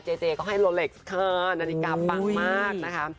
เจเจก็ให้โลเล็กซ์ค่ะนาฬิกาปังมากนะคะ